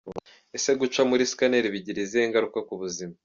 Ese guca muri scanner bigira izihe ngaruka ku buzima?.